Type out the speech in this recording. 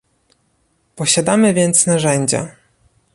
Posiadamy więc narzędzia